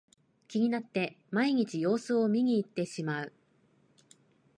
気になって毎日様子を見にいってしまう